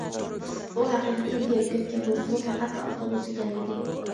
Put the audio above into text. ئۇ ھەقىقەتەن ھېرىپ كەتكەن بولسىمۇ، پەقەتلا ئۇخلىغۇسى كەلمىدى.